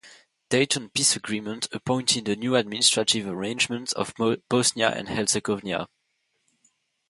Dayton peace agreement appointed a new administrative arrangement of Bosnia and Herzegovina.